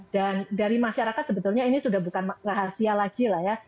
dan dari masyarakat sebetulnya ini sudah bukan rahasia lagi lah ya